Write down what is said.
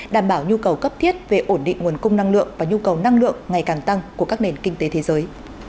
đảm bảo nhu cầu cấp thiết về ổn định nguồn cung năng lượng và nhu cầu năng lượng ngày càng tăng của các nền kinh tế thế giới